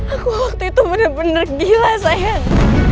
aku waktu itu bener bener gila sayang